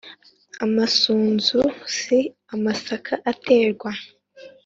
Amasunzu si amasaka aterwa